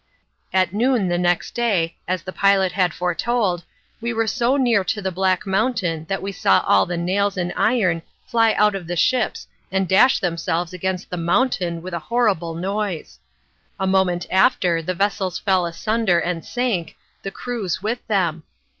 At noon next day, as the pilot had foretold, we were so near to the Black Mountain that we saw all the nails and iron fly out of the ships and dash themselves against the mountain with a horrible noise. A moment after the vessels fell asunder and sank, the crews with them.